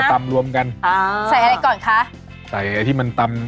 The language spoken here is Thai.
กรมกรมกรมกรม